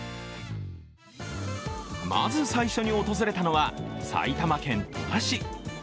まず最初に訪れたのは埼玉県戸田市。